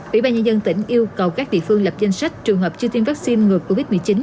ubnd tỉnh yêu cầu các địa phương lập danh sách trường hợp chưa tiêm vaccine ngược covid một mươi chín